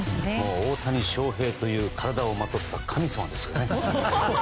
大谷翔平という体をまとった神様ですよね。